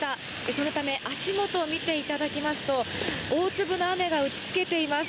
そのため足元見ていただきますと大粒の雨が打ちつけています。